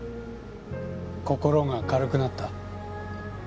心が軽くなった？